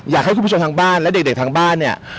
อยากให้คุณผู้ชมทางบ้านและเด็กทางบ้านเนี่ย